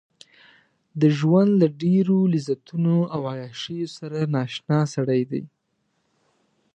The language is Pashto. د ژوند له ډېرو لذتونو او عياشيو سره نااشنا سړی دی.